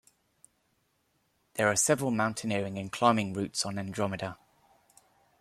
There are several mountaineering and climbing routes on Andromeda.